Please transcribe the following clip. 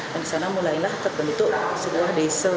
dan di sana mulailah terbentuk sebuah desa